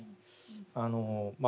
あのまあ